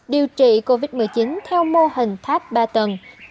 điều trị covid một mươi chín theo mô hình tháp ba tầng